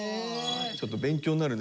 ちょっと勉強になるね。